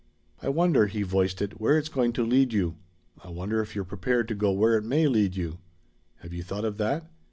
"I wonder," he voiced it, "where it's going to lead you? I wonder if you're prepared to go where it may lead you? Have you thought of that?